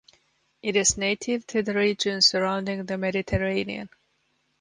It is native to the regions surrounding the Mediterranean.